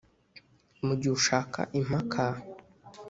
mugihe ushaka impaka,